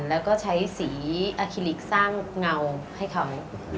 แล้วก็ใช้สีอาคิลิกสร้างเงาให้เขา